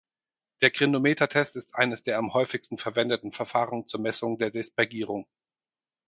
Der Grindometer-Test ist eines der am häufigsten verwendeten Verfahren zur Messung der Dispergierung.